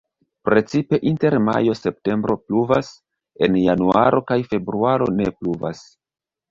Precipe inter majo-septembro pluvas; en januaro kaj februaro ne pluvas.